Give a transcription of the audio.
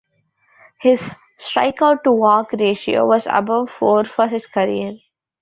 His strikeout-to-walk ratio was above four for his career.